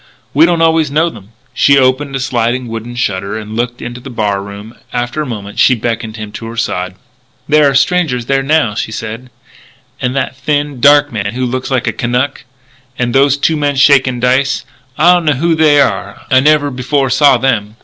We don't always know them." She opened a sliding wooden shutter and looked into the bar room. After a moment she beckoned him to her side. "There are strangers there now," she said, " that thin, dark man who looks like a Kanuk. And those two men shaking dice. I don't know who they are. I never before saw them."